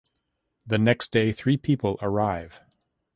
The next day three people arrive.